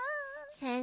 先生